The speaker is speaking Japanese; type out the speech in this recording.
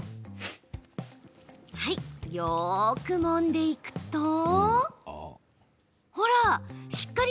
よくもんでいくとほらっ！